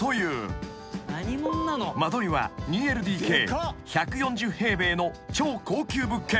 ［間取りは２ＬＤＫ１４０平米の超高級物件］